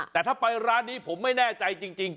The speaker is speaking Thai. แต่ถ้าไปร้านนี้ผมไม่แน่ใจจริง